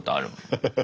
ハハハハ。